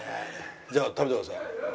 じゃあ食べてください。